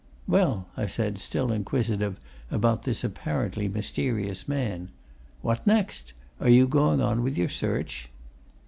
"Well?" I said, still inquisitive about this apparently mysterious man. "What next? Are you going on with your search?"